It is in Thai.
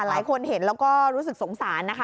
หลายคนเห็นแล้วก็รู้สึกสงสารนะคะ